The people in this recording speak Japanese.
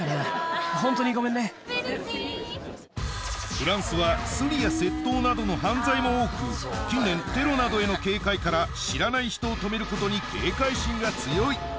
フランスはスリや窃盗などの犯罪も多く近年テロなどへの警戒から知らない人を泊めることに警戒心が強い